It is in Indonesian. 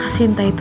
kak sinta itu